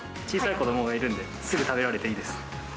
小さい子どもがいるんで、すぐ食べられていいです。